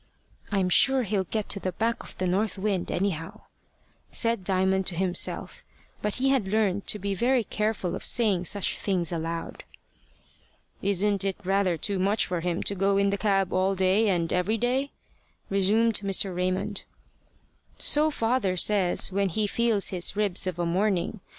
"I'm sure he'll get to the back of the north wind, anyhow," said Diamond to himself; but he had learned to be very careful of saying such things aloud. "Isn't it rather too much for him to go in the cab all day and every day?" resumed Mr. Raymond. "So father says, when he feels his ribs of a morning.